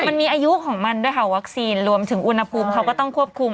มันมีอายุของมันด้วยค่ะวัคซีนรวมถึงอุณหภูมิเขาก็ต้องควบคุม